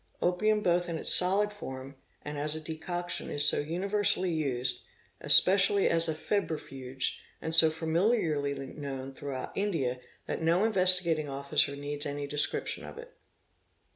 Opium both in its solid form and as a decoc tion is so universally used, especially as a febrifuge, and so familiarily known throughout India, that no Investigating Officer needs any des eription of it.